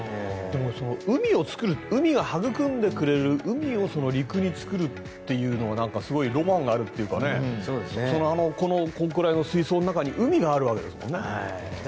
でも、海を作る海がはぐくんでくれる海を陸に作るというのがすごいロマンがあるというかこれくらいの水槽の中に海があるわけですからね。